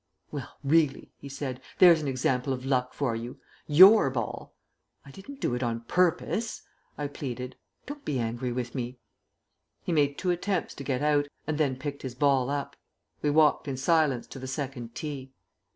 "Well, really," he said, "there's an example of luck for you. Your ball " "I didn't do it on purpose," I pleaded. "Don't be angry with me." He made two attempts to get out, and then picked his ball up. We walked in silence to the second tee.